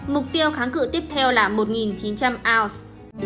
mục tiêu kháng cự tiếp theo là một chín trăm linh ounce